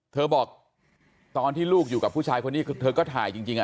บอกตอนที่ลูกอยู่กับผู้ชายคนนี้คือเธอก็ถ่ายจริง